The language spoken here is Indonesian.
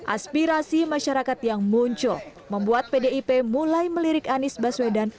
aspirasi masyarakat yang muncul membuat pdip mulai melirik anies baswedan